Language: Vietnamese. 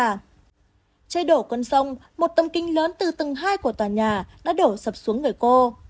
trên đổ con sông một tâm kinh lớn từ tầng hai của tòa nhà đã đổ sập xuống người cô